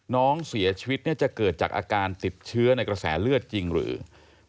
น้องเสียชีวิตจะเกิดจากอาการติดเชื้อในกระแสเลือดจริงหรือ